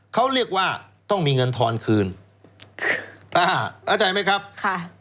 เขาเรียกว่าต้องมีเงินทอนคืนอ่าเข้าใจไหมครับค่ะ